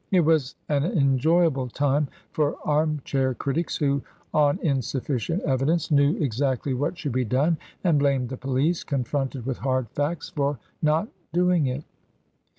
It was an enjoyable time for armchair critics, who, on insufficient evidence, knew exactly what should be done, and blamed the police, confronted with hard facts, for not doing it.